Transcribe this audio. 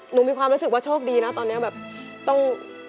มีความรู้สึกว่าโชคดีนะตอนนี้แบบต้อง